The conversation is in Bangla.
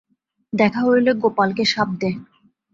দেখা হইলে গোপালকে শাপ দেয়।